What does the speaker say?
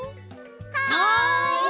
はい！